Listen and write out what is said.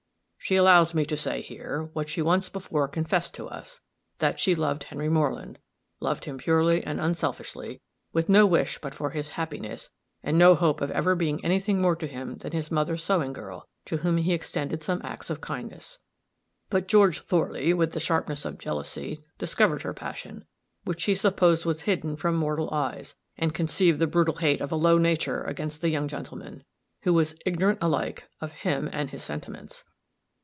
She allows me to say, here, what she once before confessed to us, that she loved Henry Moreland loved him purely and unselfishly, with no wish but for his happiness, and no hope of ever being any thing more to him than his mother's sewing girl, to whom he extended some acts of kindness. But George Thorley, with the sharpness of jealousy, discovered her passion, which she supposed was hidden from mortal eyes, and conceived the brutal hate of a low nature against the young gentleman, who was ignorant alike of him and his sentiments.